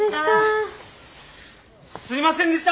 すいませんでした！